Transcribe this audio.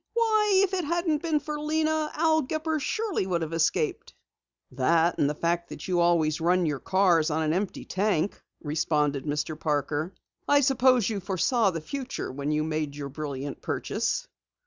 "Why, if it hadn't been for Lena, Al Gepper surely would have escaped." "That and the fact you always run your cars on an empty tank," responded Mr. Parker. "I suppose you foresaw the future when you made your brilliant purchase?"